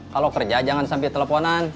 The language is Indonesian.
kalau kerja jangan sampai teleponan